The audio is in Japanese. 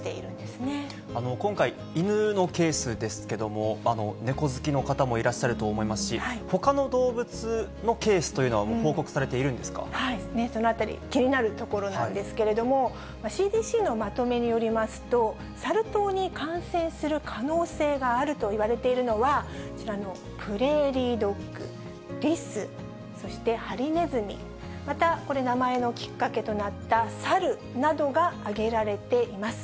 今回、犬のケースですけども、ネコ好きの方もいらっしゃると思いますし、ほかの動物のケースとそのあたり、気になるところなんですけれども、ＣＤＣのまとめによりますと、サル痘に感染する可能性があると言われているのは、こちらのプレーリードッグ、リス、そしてハリネズミ、またこれ、名前のきっかけとなったサルなどが挙げられています。